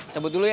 cabut dulu ya